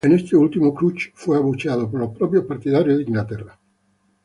En este último, Crouch fue abucheado por los propios partidarios de Inglaterra.